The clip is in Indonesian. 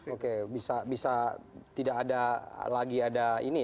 oke bisa tidak ada lagi ada ini